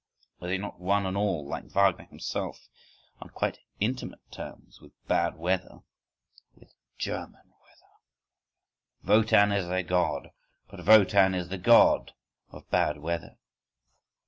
Are they not one and all, like Wagner himself, on quite intimate terms with bad weather, with German weather! Wotan is their God, but Wotan is the God of bad weather.